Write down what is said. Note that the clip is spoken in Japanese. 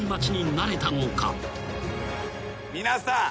皆さん。